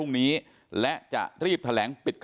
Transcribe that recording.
อันนี้แม่งอียางเนี่ย